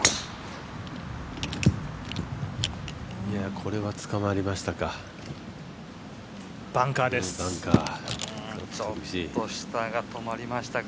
これはつかまりましたか。